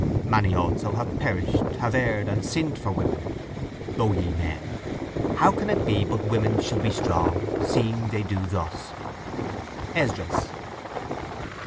Many also have perished, have erred, and sinned, for women… O ye men, how can it be but women should be strong, seeing they do thus?"_—ESDRAS.